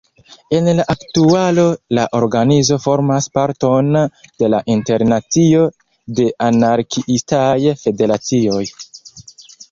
En la aktualo la organizo formas parton de la Internacio de Anarkiistaj Federacioj.